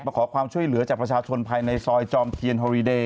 ขอความช่วยเหลือจากประชาชนภายในซอยจอมเทียนฮอริเดย